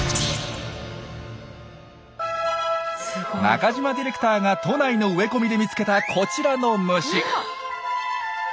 中島ディレクターが都内の植え込みで見つけたこちらの虫。